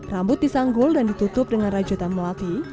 rambut disanggul dan ditutup dengan rajutan melati